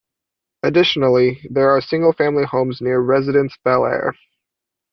Additionally there are single family homes near "Residence Bel-Air".